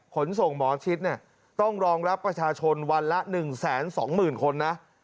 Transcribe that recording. ขนส่งหมอชิดต้องรองรับประชาชนวันละ๑๒๐๐๐คนนะ